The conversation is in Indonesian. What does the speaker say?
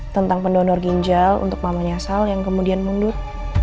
tentang pendonor ginjal untuk mama niasal yang kemudian mundur